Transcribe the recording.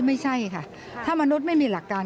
ไม่ใช่ค่ะถ้ามนุษย์ไม่มีหลักการ